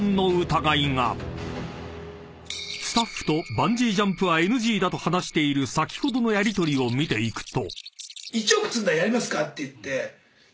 ［スタッフとバンジージャンプはＮＧだと話している先ほどのやりとりを見ていくと］